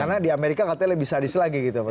karena di amerika katanya lebih sadis lagi gitu ya